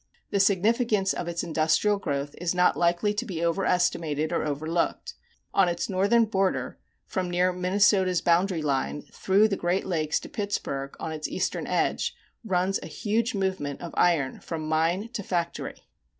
The significance of its industrial growth is not likely to be overestimated or overlooked. On its northern border, from near Minnesota's boundary line, through the Great Lakes to Pittsburgh, on its eastern edge, runs a huge movement of iron from mine to factory.